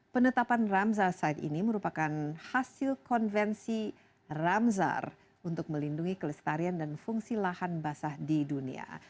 penetapan ramza side ini merupakan hasil konvensi ramzar untuk melindungi kelestarian dan fungsi lahan basah di dunia